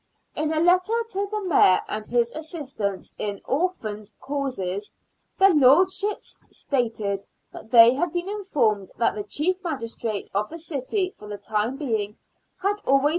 In a letter to the Mayor and his " assistants in Orphans' causes," their lordships stated that they had been informed that the chief magistrate of the city for the time being had always CORPORATION AND ORPHANS OF CITY.